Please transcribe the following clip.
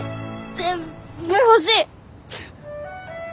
全部欲しい。